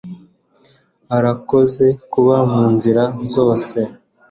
urakoze kuba munzira zose